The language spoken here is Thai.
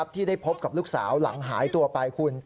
ที่ได้พบกับลูกสาวหลังหายตัวไปคุณ